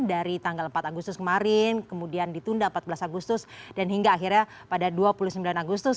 dari tanggal empat agustus kemarin kemudian ditunda empat belas agustus dan hingga akhirnya pada dua puluh sembilan agustus